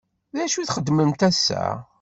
D acu i txedmemt ass-a?